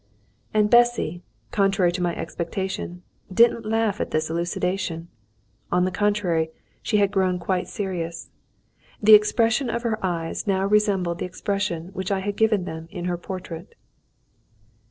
And Bessy, contrary to my expectation, didn't laugh at this elucidation. On the contrary, she had grown quite serious. The expression of her eyes now resembled the expression which I had given them in her portrait.